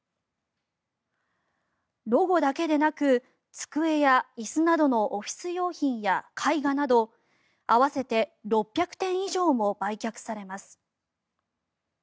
ロゴだけでなく机やいすなどのオフィス用品や絵画など合わせて６００点以上も売却されます。